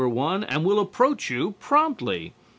1 and will approach you promptly.